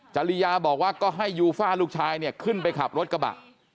จริยาบอกว่าก็ให้ยูฟ่าลูกชายเนี่ยขึ้นไปขับรถกระบะ